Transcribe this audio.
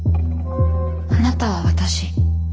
あなたは私。